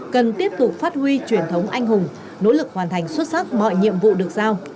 cần tiếp tục phát huy truyền thống anh hùng nỗ lực hoàn thành xuất sắc mọi nhiệm vụ được giao